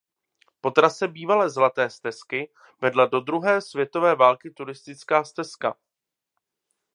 Po trase bývalé Zlaté stezky vedla do druhé světové války turistická stezka.